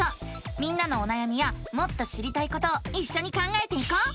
みんなのおなやみやもっと知りたいことをいっしょに考えていこう！